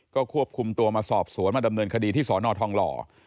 ก็ควบคุมตัวมาสอบสวนมาดำเนินคดีที่สอนอทองหล่อ